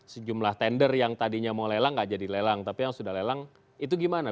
sejumlah tender yang tadinya mau lelang gak jadi lelang tapi yang sudah lelang itu gimana